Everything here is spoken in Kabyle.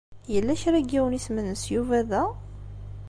Yella kra n yiwen isem-nnes Yuba da?